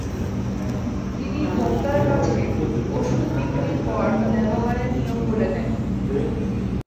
তিনি ভোক্তার কাছে ওষুধ বিক্রির পর তা ব্যবহারের নিয়ম বলে দেন।